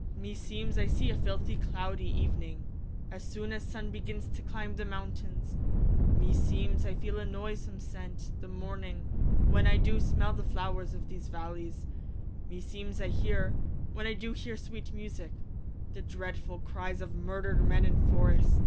Klaius. Me seemes I see a filthie clow die evening , As soon as Sunne begins to clime the mountaines : Me seemes I feele a noysome sent , the morning When I doo smell the flowers of these v allies : Me seemes I heare , when I doo heare sweet e musique, The dreadfull cries of murdred men in forrests.